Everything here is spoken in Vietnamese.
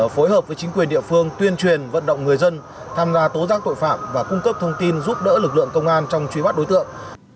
phối hợp với chính quyền địa phương tuyên truyền vận động người dân tham gia tố giác tội phạm và cung cấp thông tin giúp đỡ lực lượng công an trong truy bắt đối tượng